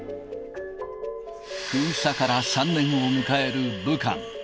封鎖から３年を迎える武漢。